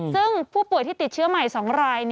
ซึ่งผู้ป่วยที่ติดเชื้อใหม่๒ราย